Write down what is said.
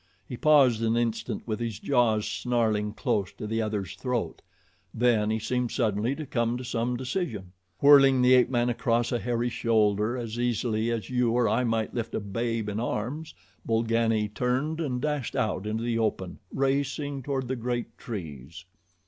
He paused an instant with his jaws snarling close to the other's throat, then he seemed suddenly to come to some decision. Whirling the ape man across a hairy shoulder, as easily as you or I might lift a babe in arms, Bolgani turned and dashed out into the open, racing toward the great trees.